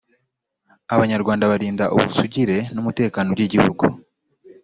abanyarwanda barinda ubusugire n umutekano by’ igihugu.